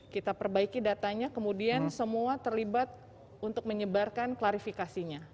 kita perbaiki datanya kemudian semua terlibat untuk menyebarkan klarifikasinya